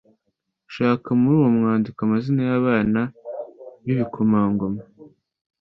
Shaka muri uyu mwandiko amazina y’abana bbiikomangoma